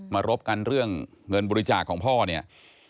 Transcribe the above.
รบกันเรื่องเงินบริจาคของพ่อเนี่ย